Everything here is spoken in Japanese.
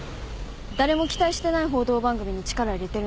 誰も期待してない報道番組に力入れてるのって。